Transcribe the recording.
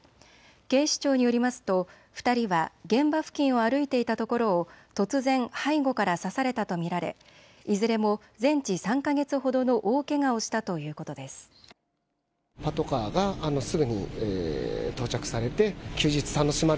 警視庁によりますと２人は現場付近を歩いていたところを突然、背後から刺されたと見られいずれも全治３か月ほどの大けがをしたということです。